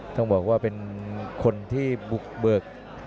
ต้องบอกว่าเป็นคนที่บุกเบิก